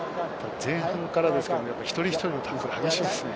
前半から一人一人のタックル、激しいですね。